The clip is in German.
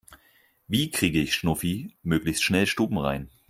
Wie kriege ich Schnuffi möglichst schnell stubenrein?